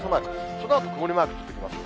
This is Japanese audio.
そのあと曇りマーク続きます。